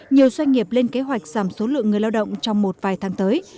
nhiều doanh nghiệp lên kế hoạch giảm số lượng người lao động trong một vài tháng tới